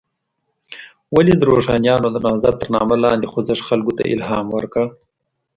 ولې د روښانیانو د نهضت تر نامه لاندې خوځښت خلکو ته الهام ورکړ.